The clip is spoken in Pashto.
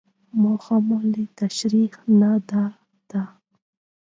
موخه مې له تشريحي نه دا ده.